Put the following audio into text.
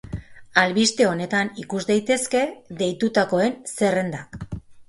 Albiste honetan ikus daitezke deitutakoen zerrendak.